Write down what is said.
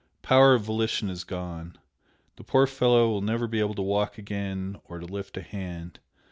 Power of volition is gone, the poor fellow will never be able to walk again or to lift a hand.